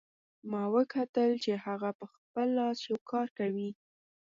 ما وکتل چې هغه په خپل لاس یو کار کوي